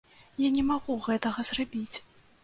Я не магу гэтага зрабіць.